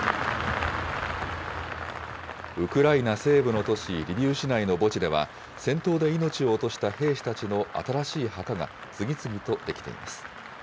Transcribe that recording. ウクライナ西部の都市リビウ市内の墓地では、戦闘で命を落とした兵士たちの新しい墓が次々と出来ています。